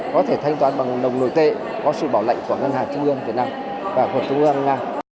có thể thanh toán bằng đồng nội tệ qua sự bảo lãnh của ngân hàng trung ương việt nam và của trung ương nga